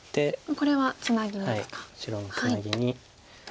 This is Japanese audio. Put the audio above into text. これはツナぎますか。